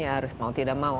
harus mau tidak mau